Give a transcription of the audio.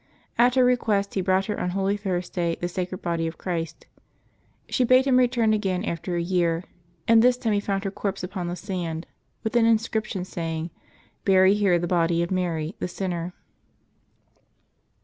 At her request he brought her on Holy Thursday the sacred body of Christ. She bade him return again after a year, and this time he found her corpse upon the sand, with an inscription saying, " Bury here the body of Mary the sinner."